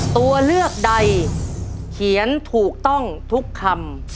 ตัวเลือกใดเขียนถูกต้องทุกคำ